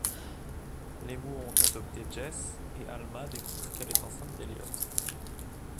Les Moore ont adopté Jess et Alma découvre qu'elle est enceinte d'Elliot.